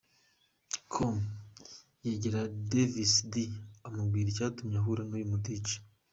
com yegera Davis D amubwira icyatumye ahura n’uyu mu Dj.